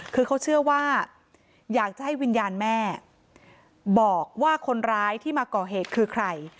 คือเขาเชื่อว่าอยากจะให้วิญญาณแม่บอกว่าคนร้ายที่มาก่อเหตุคือใคร